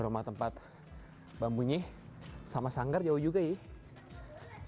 rumah tempat bambunya sama sanggar jauh juga ya